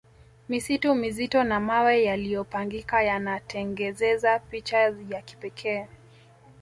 misitu mizito na mawe yaliopangika yanatengezeza picha ya kipekee